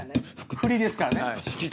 フリですからね。